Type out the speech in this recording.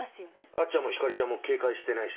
あっちゃんも光莉ちゃんも警戒してないしな。